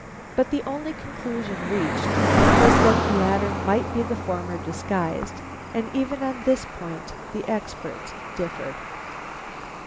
But the only conclusion reached was that the latter might be the former disguised, and even on this point the experts differed.